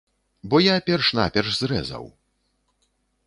Бо я перш-наперш зрэзаў.